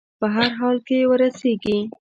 په هر حال کې وررسېږي.